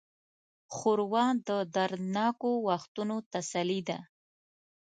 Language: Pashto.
ښوروا د دردناکو وختونو تسلي ده.